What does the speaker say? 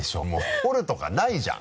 掘るとかないじゃん。